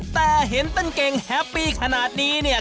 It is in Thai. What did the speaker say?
แต่เห็นเต้นเก่งแฮปปี้ขนาดนี้เนี่ย